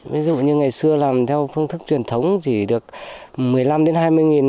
ví dụ như ngày xưa làm theo phương thức truyền thống chỉ được một mươi năm hai mươi nghìn